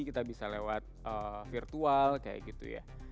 kita bisa lewat virtual kayak gitu ya